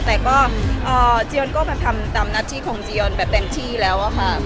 แต่ก็เจียนก็มาทำตามหน้าที่ของเจียอนแบบเต็มที่แล้วอะค่ะ